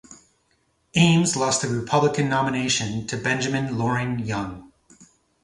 Ames lost the Republican nomination to Benjamin Loring Young.